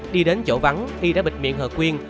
đi đến chỗ vắng y đã bịt miệng hồ quyền